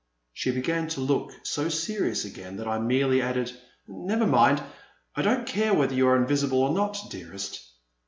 *' She began to look so serious again that I merely added, never mind, I don't care whether you are invisible or not, dearest."